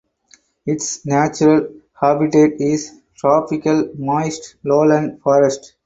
Its natural habitat is tropical moist lowland forest.